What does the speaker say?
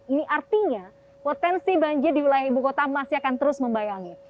ini artinya potensi banjir di wilayah ibu kota masih akan terus membayangi